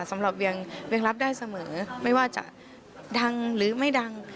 ไม่ว่าจะดังหรือไม่ดัง